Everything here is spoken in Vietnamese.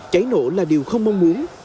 cháy nổ là điều không mong muốn